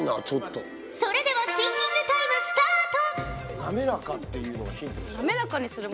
それではシンキングタイムスタート！